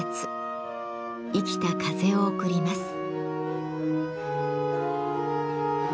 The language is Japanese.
生きた風を送ります。